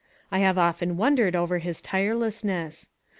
I have often wondered over his tirelessness.